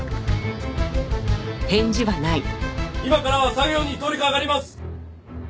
今から作業に取りかかります。